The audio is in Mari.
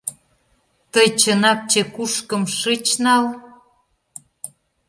— Тый чынак чекушкым шыч нал?